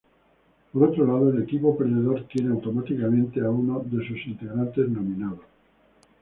Por otro lado el equipo perdedor tiene automáticamente a uno de sus integrantes nominados.